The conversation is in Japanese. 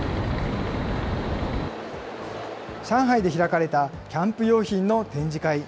上海で開かれたキャンプ用品の展示会。